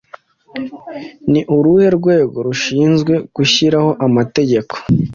Ni uruhe rwego rushinzwe gushyiraho amategeko